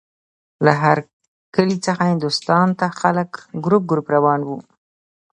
له هر کلي څخه هندوستان ته خلک ګروپ ګروپ روان وو.